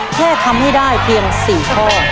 แค่ทำให้ได้เพียง๔ข้อ